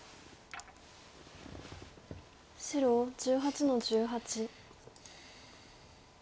白１８の十八。